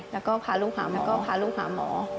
แล้วก็พาลูกหาหมอ